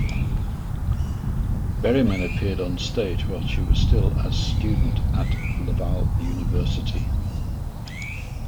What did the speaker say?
Berryman appeared on stage while she was still as student at Laval University.